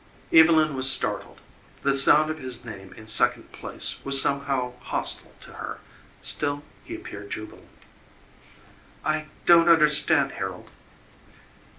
Evylyn was startled. The sound of his name in second place was somehow hostile to her; still he appeared jubilant. "I don't understand, Harold."